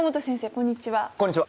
こんにちは。